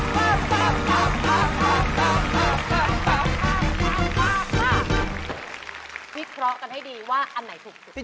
วิเคราะห์กันให้ดีว่าอันไหนถูกสุด